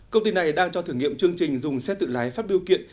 công ty này đang cho thử nghiệm chương trình dùng xe tự lái phát biêu kiện